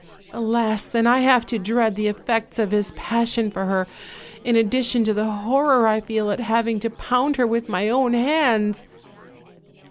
Alas! then I have to dread the effects of his passion for her, in addition to the horror I feel at having to pound her with my own hands!"